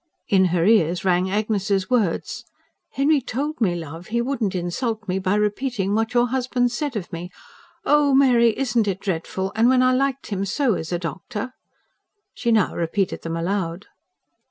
In her ears rang Agnes's words: "Henry told me, love, he wouldn't insult me by repeating what your husband said of me. Oh, Mary, isn't it dreadful? And when I liked him so as a doctor!" She now repeated them aloud.